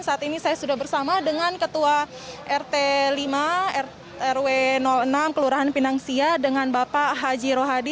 saat ini saya sudah bersama dengan ketua rt lima rw enam kelurahan pinangsia dengan bapak haji rohadi